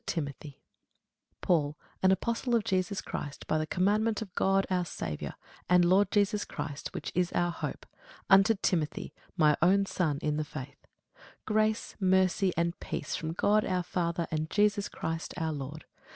Timothy 1] PAUL, an apostle of Jesus Christ by the commandment of God our Saviour, and Lord Jesus Christ, which is our hope; unto Timothy, my own son in the faith: Grace, mercy, and peace, from God our Father and Jesus Christ our Lord.